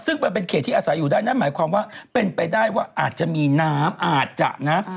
ซึ่งมันเป็นเขตที่อาศัยอยู่ได้นั่นหมายความว่าเป็นไปได้ว่าอาจจะมีน้ำอาจจะนะ